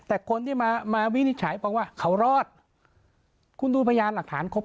แต่คนที่มามาวินิจฉัยฟังว่าเขารอดคุณดูพยานหลักฐานครบ